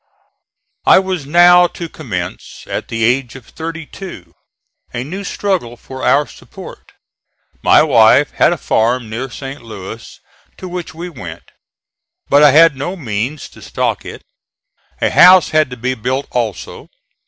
I was now to commence, at the age of thirty two, a new struggle for our support. My wife had a farm near St. Louis, to which we went, but I had no means to stock it. A house had to be built also.